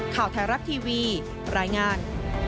ข่าวแทรฟทีวีรายงาน